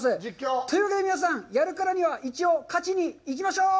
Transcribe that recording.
というわけで皆さん、やるからには、一応勝ちにいきましょう！